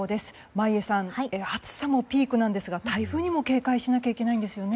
眞家さん暑さもピークなんですが台風にも警戒しなきゃいけないんですよね。